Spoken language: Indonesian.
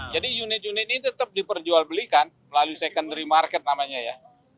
jadi unit unit ini tetap diperjual belikan melalui secondary market namanya ya